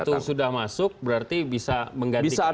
kalau sudah masuk berarti bisa menggantikan